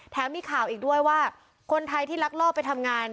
มีข่าวอีกด้วยว่าคนไทยที่ลักลอบไปทำงาน